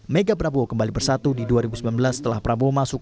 mega prabowo kembali bersatu di dua ribu sembilan belas setelah prabowo masuk